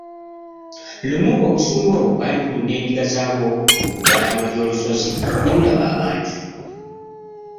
Lumu obusumba obwo bwali bulunda endiga zaabwo ku bbalama ly'olusozi ne bulaba abantu.